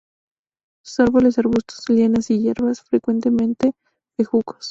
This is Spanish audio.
Son árboles, arbustos, lianas y hierbas, frecuentemente bejucos.